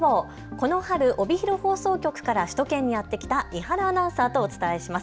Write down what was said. この春、帯広放送局から首都圏にやって来た伊原アナウンサーとお伝えします。